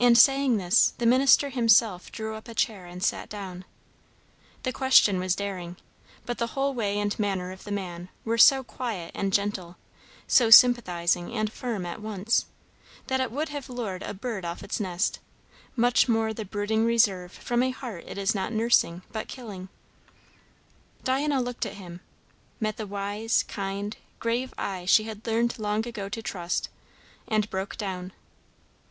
And saying this, the minister himself drew up a chair and sat down. The question was daring, but the whole way and manner of the man were so quiet and gentle, so sympathizing and firm at once, that it would have lured a bird off its nest; much more the brooding reserve from a heart it is not nursing but killing. Diana looked at him, met the wise, kind, grave eye she had learned long ago to trust, and broke down.